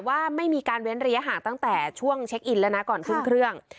ว่าไม่มีการเว้นระยะห่างตั้งแต่ช่วงเช็คอินแล้วนะก่อนขึ้นเครื่อง